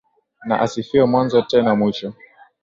Na asifiwe mwanzo tena mwisho.